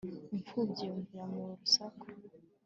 impfubyi yunvira mu rusaku